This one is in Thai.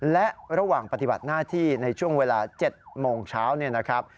และระหว่างปฏิบัติหน้าที่ในช่วงเวลา๗โมงเช้า